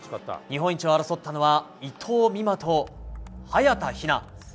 日本一を争ったのは伊藤美誠と早田ひな。